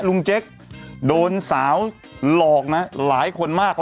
เจ๊กโดนสาวหลอกนะหลายคนมาก